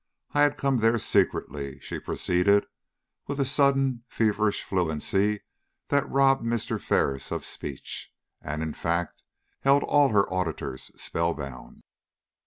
I had come there secretly," she proceeded, with a sudden feverish fluency that robbed Mr. Ferris of speech, and in fact held all her auditors spell bound.